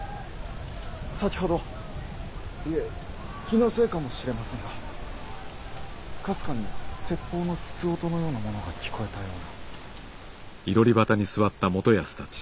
先ほどいえ気のせいかもしれませんがかすかに鉄砲の筒音のようなものが聞こえたような。